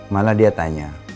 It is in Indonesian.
malah dia tanya